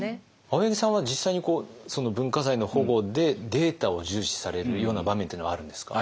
青柳さんは実際に文化財の保護でデータを重視されるような場面っていうのはあるんですか？